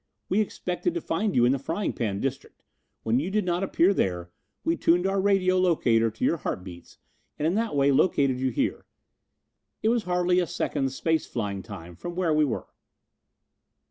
We expected to find you in the Frying Pan district. When you did not appear there we tuned our radio locator to your heart beats and in that way located you here. It was hardly a second's space flying time from where we were."